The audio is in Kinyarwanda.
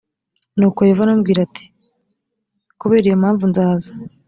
nuko yehova aramubwira ati kubera iyo mpamvu nzaza